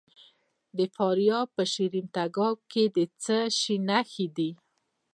د فاریاب په شیرین تګاب کې د څه شي نښې دي؟